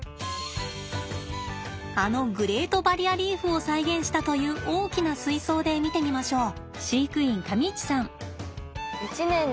あのグレートバリアリーフを再現したという大きな水槽で見てみましょう。